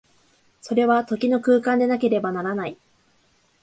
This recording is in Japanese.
それは時の空間でなければならない。